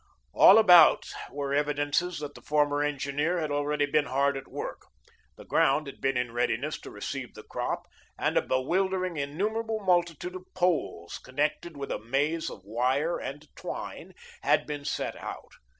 All about were evidences that the former engineer had already been hard at work. The ground had been put in readiness to receive the crop and a bewildering, innumerable multitude of poles, connected with a maze of wire and twine, had been set out.